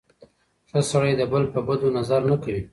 ښه سړی د بل په بدو نظر نه کوي.